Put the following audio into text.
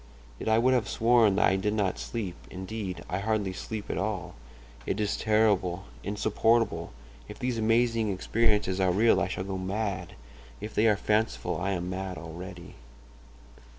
Yet I would have sworn that I did not sleep—indeed, I hardly sleep at all. It is terrible, insupportable! If these amazing experiences are real I shall go mad; if they are fanciful I am mad already.